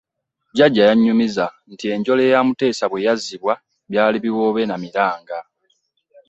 Jjajja yannyumiza nti enjole ya Muteesa bwe yazzibwa byali biwoobe na miranga!